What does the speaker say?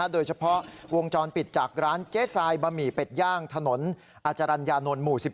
โดยเฉพาะวงจรปิดจากร้านเจ๊ทรายบะหมี่เป็ดย่างถนนอาจารัญญานนท์หมู่๑๑